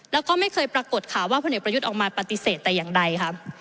แล้วก็ไม่เคยปรากฏข่าวว่าพลเอกประยุทธ์ออกมาปฏิเสธแต่อย่างใดค่ะ